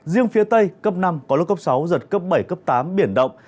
riêng phía tây cấp năm có lúc cấp sáu giật cấp bảy cấp tám biển động